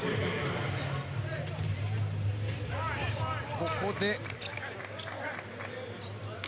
ここで。